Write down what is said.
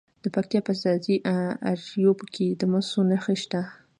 د پکتیا په ځاځي اریوب کې د مسو نښې شته.